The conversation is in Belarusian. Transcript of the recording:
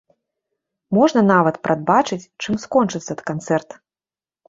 Можна нават прадбачыць, чым скончыцца канцэрт.